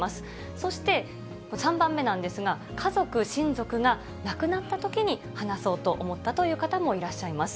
そして、３番目なんですが、家族・親族が亡くなったときに話そうと思ったという方もいらっしゃいます。